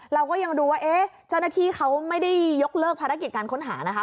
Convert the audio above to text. เราก็ยังดูว่าเจ้าหน้าที่เขาไม่ได้ยกเลิกภารกิจการค้นหานะคะ